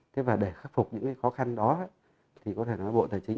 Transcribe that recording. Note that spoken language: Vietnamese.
thế và để khắc phục những cái khó khăn đó thì có thể nói bộ tài chính